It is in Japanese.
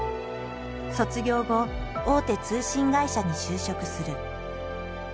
卒業後大手通信会社に就職する。